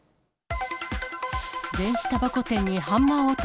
電子たばこ店にハンマー男。